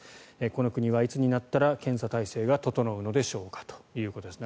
この国はいつになったら検査体制が整うのでしょうかということです。